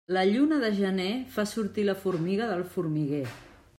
La lluna de gener fa sortir la formiga del formiguer.